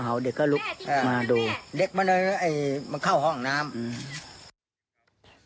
อ๋อหาวเด็กก็ลุกมาดูเด็กมันเข้าห้องน้ำ